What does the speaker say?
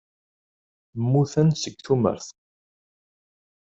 Mmuten seg tumert.